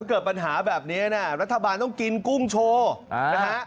เกิดปัญหาแบบนี้นะรัฐบาลต้องกินกุ้งโชว์นะฮะ